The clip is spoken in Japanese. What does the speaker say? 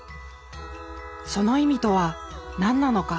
その意味とは何なのか。